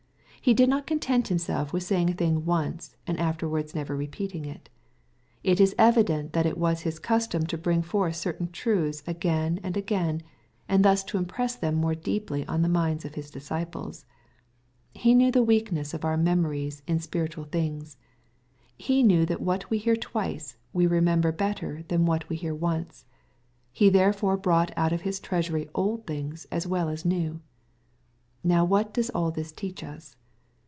He did not content Himself with saying a thing once, and afterwards never repeating it. It is evident that it was His custom to bring forward certain truths again and again, and thus to impress them more deeply on the minds of His disci ples. He knew the weakness of our memories in spiritual things. He knew that what we hear twice, we remember better than what we hear once. He therefore brought out of His treasury old things as well as new. Now what does all this teach us